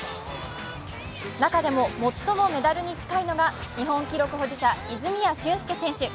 中でも最もメダルに近いのが日本記録保持者、泉谷駿介選手。